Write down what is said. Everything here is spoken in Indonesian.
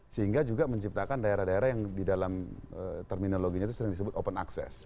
sehingga juga menciptakan daerah daerah yang di dalam terminologinya itu sering disebut open access